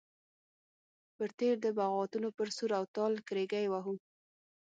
پر تېر د بغاوتونو پر سور او تال کرېږې وهو.